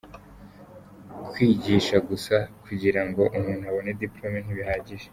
Kwigisha gusa kugira ngo umuntu abone dipolome ntibihagije.